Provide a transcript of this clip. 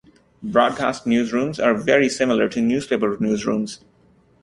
Broadcast newsrooms are very similar to newspaper newsrooms.